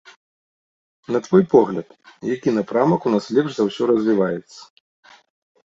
На твой погляд, які напрамак у нас лепш за ўсё развіваецца?